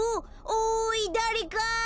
おいだれか！